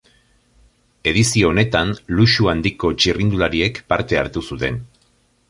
Edizio honetan luxu handiko txirrindulariek parte hartu zuten.